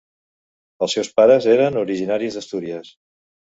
Els seus pares eren originaris d'Astúries.